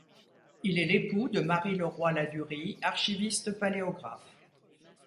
Il est l'époux de Marie Le Roy Ladurie, archiviste paléographe.